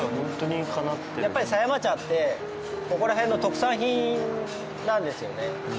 やっぱり狭山茶ってここら辺の特産品なんですよね。